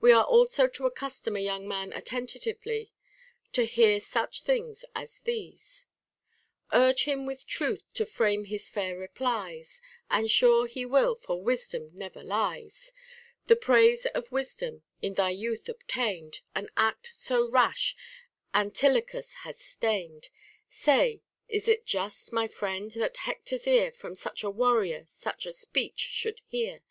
We are also to accustom a young man attentively to hear ^uch things as these :— Urge him with truth to frame his fair replies : And sure he will, for wisdom never lies : The praise of wisdom, in thy youth obtain'd, An act so rash, Antilochus, has stain'd : Say, is it just, my friend, that Hector's ear From such a warrior such a speech should hear?